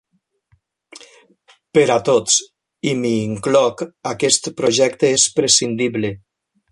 Per a tots, i m'hi incloc, aquest projecte és prescindible.